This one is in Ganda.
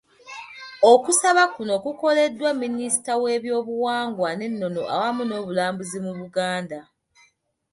Okusaba kuno kukoleddwa Minisita w'ebyobuwangwa n'ennono awamu n'obulambuzi mu Buganda.